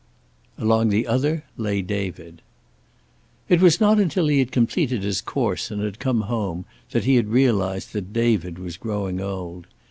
Along the other lay David. It was not until he had completed his course and had come home that he had realized that David was growing old.